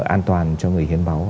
an toàn cho người hiến máu